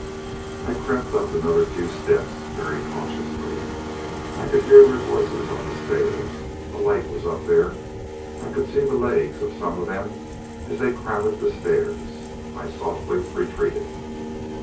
I crept up another few steps, very cautiously. I could hear their voices on the stairs. A light was up there. I could see the legs of some of them as they crowded the stairs. I softly retreated.